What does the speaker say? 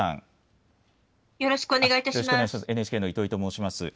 よろしくお願いします。